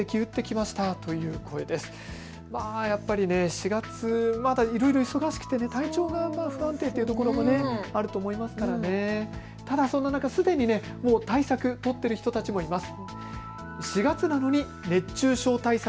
４月、まだいろいろ忙しくて体調が不安定という部分もあると思いますから、ただすでに対策取っている人たちもいます。